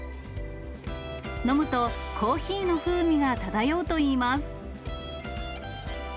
飲むと、コーヒーの風味が漂うといいます。